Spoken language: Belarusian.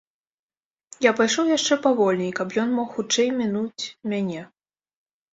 Я пайшоў яшчэ павольней, каб ён мог хутчэй мінуць мяне.